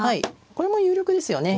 これも有力ですよね。